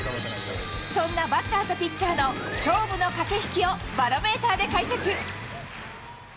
そんなバッターとピッチャーの勝負の駆け引きをバロメーターで解説。